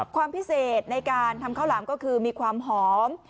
ความพิเศษในการทำข้าวหลามก็คือมีความหอม